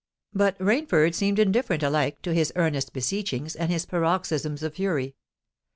But Rainford seemed indifferent alike to his earnest beseechings and his paroxysms of fury.